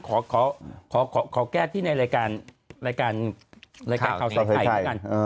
ขอขอขอขอแก้ที่ในรายการรายการรายการข่าวสะเผยไทยเออ